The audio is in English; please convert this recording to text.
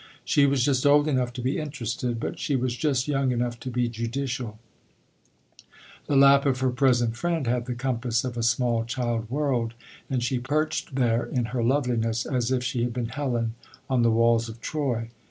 She was just old enough to be interested, but she was just young enough to be judicial; the lap of her present friend had the compass of a small child world, and she perched there in her loveliness as if she had been Helen on the walls of Troy.